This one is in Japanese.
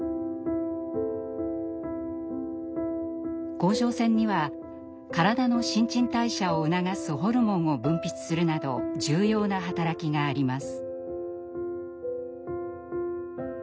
甲状腺には体の新陳代謝を促すホルモンを分泌するなど重要な働きがあります。